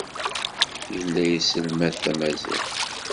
Yella yesselmad tamaziɣt.